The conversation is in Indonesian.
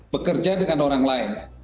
bekerja dengan orang lain